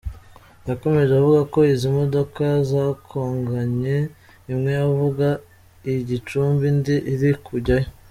Yakomeje avuga ko izi modoka zagonganye, imwe yavaga i Gicumbi indi iri kujyayo.